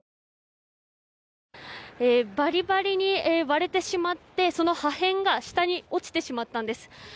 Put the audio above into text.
看板がバリバリに割れてしまってその破片が下に落ちてしまったんです。